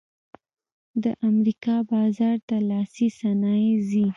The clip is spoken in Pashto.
د امریکا بازار ته لاسي صنایع ځي